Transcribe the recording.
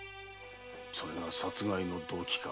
それが殺害の動機か？